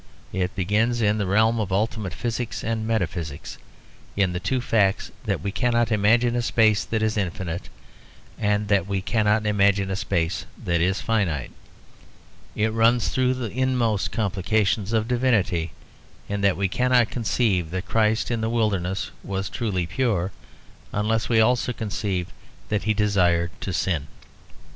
It begins in the realm of ultimate physics and metaphysics, in the two facts that we cannot imagine a space that is infinite, and that we cannot imagine a space that is finite. It runs through the inmost complications of divinity, in that we cannot conceive that Christ in the wilderness was truly pure, unless we also conceive that he desired to sin.